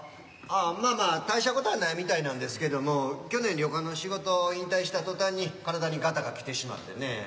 あっまあ大したことはないみたいなんですけども去年旅館の仕事引退した途端に体にガタがきてしまってね。